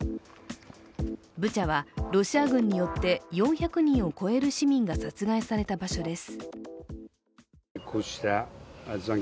ブチャはロシア軍によって４００人を超える市民が殺害された場所です。